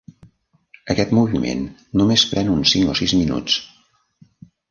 Aquest moviment només pren uns cinc o sis minuts.